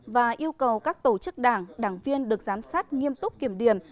và yêu cầu các tổ chức đảng đảng viên được giám sát nghiêm túc kiểm điểm